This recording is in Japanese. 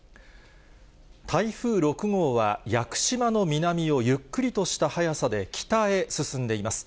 台風６号は、屋久島の南をゆっくりとした速さで北へ進んでいます。